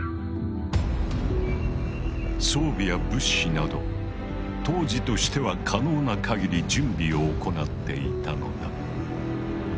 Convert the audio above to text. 装備や物資など当時としては可能な限り準備を行っていたのだ。